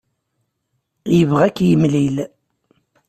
Yebɣa ad k-yemlil.